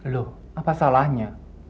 loh apa salahnya